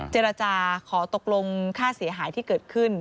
เจรจาขอตกลงค่าเสียหายที่เกิดขึ้น